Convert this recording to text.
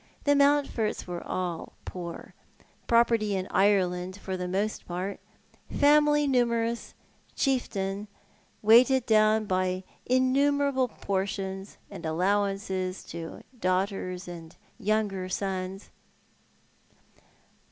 The Mountfords were all poor — property in Ireland for the most part — family numerous — chieftain w'eighed down by innumerable portions and allowances to daughters and younger sons.